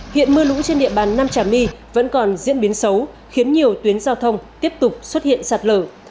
hiện mưa lũ trên địa bàn nam trà my vẫn còn diễn biến xấu khiến nhiều tuyến giao thông tiếp tục xuất hiện sạt lở